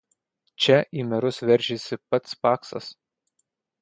Čia į merus veržiasi pats Paksas